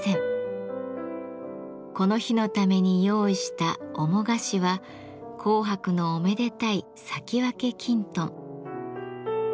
この日のために用意した主菓子は紅白のおめでたい咲き分けきんとん。